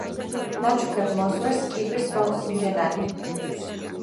ნაჩუქებ მოზვერს კიბირს ვაუსინჯენანი